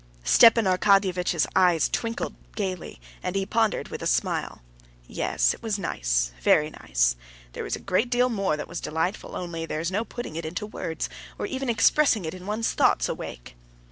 Stepan Arkadyevitch's eyes twinkled gaily, and he pondered with a smile. "Yes, it was nice, very nice. There was a great deal more that was delightful, only there's no putting it into words, or even expressing it in one's thoughts awake."